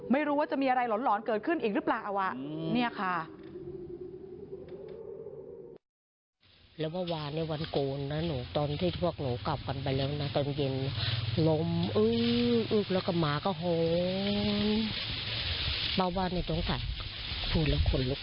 ไม่รู้ว่าจะมีอะไรหล่อนหลอนเกิดขึ้นอีกหรือเปล่าอะวะเนี่ยค่ะ